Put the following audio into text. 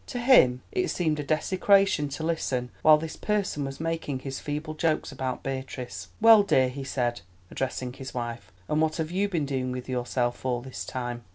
To him it seemed a desecration to listen while this person was making his feeble jokes about Beatrice. "Well, dear," he said, addressing his wife, "and what have you been doing with yourself all this time?"